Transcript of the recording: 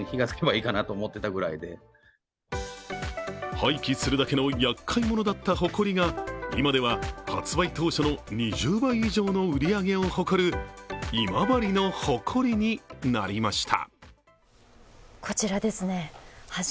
廃棄するだけのやっかい者だったほこりが、今では発売当初の２０倍以上の売り上げを誇る今治の誇りになりました。